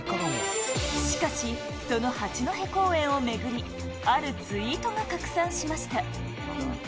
しかし、その八戸公演を巡り、あるツイートが拡散しました。